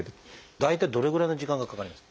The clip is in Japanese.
大体どれぐらいの時間がかかりますか？